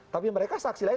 tapi mereka saksi lain